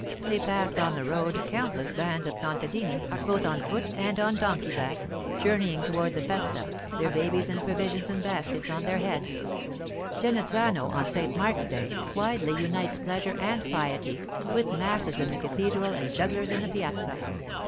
They passed on the road countless bands of contadini, both on foot and on donkey back, journeying toward the festa, their babies and provisions in baskets on their heads. Genazzano, on St Mark's day, wisely unites pleasure and piety, with masses in the cathedral and jugglers in the piazza.